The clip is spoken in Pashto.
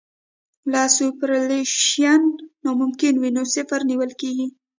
که سوپرایلیویشن ناممکن وي نو صفر نیول کیږي